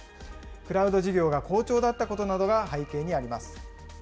クラウド事業が好調だったことなどが背景にあります。